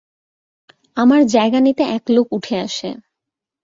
আমার জায়গা নিতে এক লোক উঠে আসে।